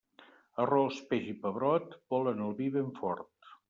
Arròs, peix i pebrot volen el vi ben fort.